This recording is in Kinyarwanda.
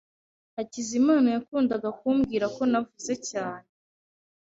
Hakizimana yakundaga kumbwira ko navuze cyane.